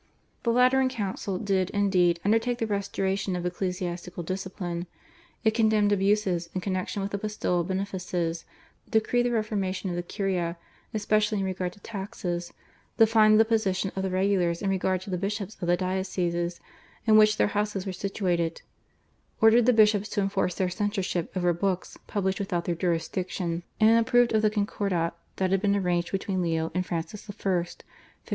The Lateran Council did, indeed, undertake the restoration of ecclesiastical discipline. It condemned abuses in connexion with the bestowal of benefices, decreed the reformation of the Curia, especially in regard to taxes, defined the position of the regulars in regard to the bishops of the dioceses in which their houses were situated, ordered the bishops to enforce their censorship over books published within their jurisdiction, and approved of the Concordat that had been arranged between Leo and Francis I. (1516).